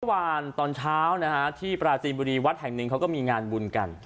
วันตอนเช้านะฮะที่ปราจีนบุรีวัดแห่งหนึ่งเขาก็มีงานบุญกัน